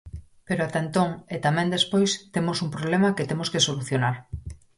Pero ata entón, e tamén despois, temos un problema que temos que solucionar.